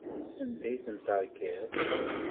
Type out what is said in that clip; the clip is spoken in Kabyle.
Anda ay tent-terkiḍ?